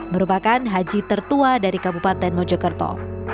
merupakan haji tertua dari kabupaten mojokerto